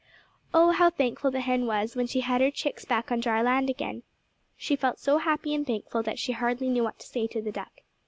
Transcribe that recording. Oh, how thankful the hen was when she had her chicks back on dry land again. She felt so happy and thankful that she hardly knew what to say to the duck.